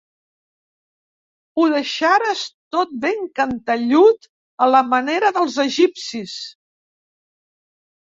Ho deixares tot ben cantellut a la manera dels egipcis.